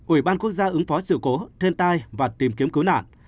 ủy ban quốc gia ứng phó sự cố thiên tai và tìm kiếm cứu nạn